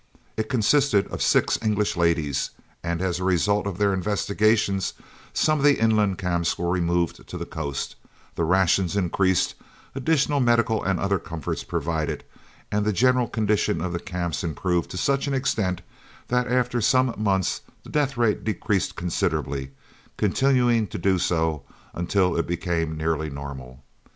It consisted of six English ladies, and as a result of their investigations some of the inland camps were removed to the coast, the rations increased, additional medical and other comforts provided, and the general condition of the camps improved to such an extent that after some months the death rate decreased considerably, continuing to do so until it became nearly normal.